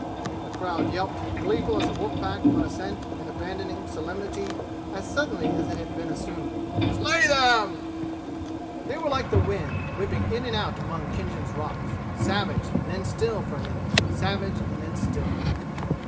the crowd yelped, gleeful as a wolf pack on a scent and abandoning solemnity as suddenly as it had been assumed. "Slay them!" They were like the wind, whipping in and out among Khinjan's rocks, savage and then still for a minute, savage and then still.